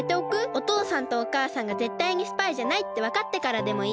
おとうさんとおかあさんがぜったいにスパイじゃないってわかってからでもいいし。